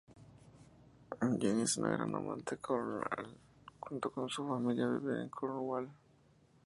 Jenny es una gran amante de Cornwall, junto con su familia viven en Cornwall.